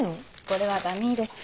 これはダミーです。